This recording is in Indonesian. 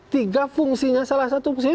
tiga fungsinya salah satu fungsi